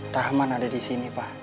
rahman ada disini pa